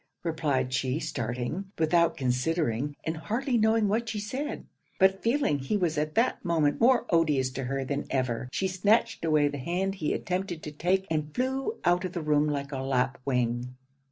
replied she, starting, without considering and hardly knowing what she said; but feeling he was at that moment more odious to her than ever, she snatched away the hand he attempted to take, and flew out of the room like a lapwing.